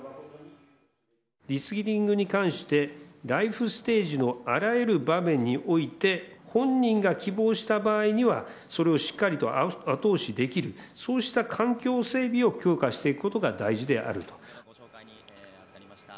リスキリングに対して、ライフステージのあらゆる場面において、本人が希望した場合には、それをしっかりと後押しできる、そうした環境整備を強化していくことが大事であると。